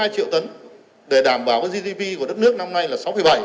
hai triệu tấn để đảm bảo gdp của đất nước năm nay là sáu bảy